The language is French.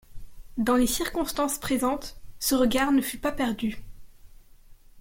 Dans les circonstances présentes, ce regard ne fut pas perdu.